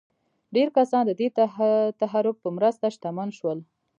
ډېر کسان د دې تحرک په مرسته شتمن شول.